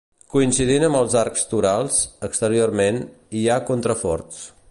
Coincidint amb els arcs torals, exteriorment, hi ha contraforts.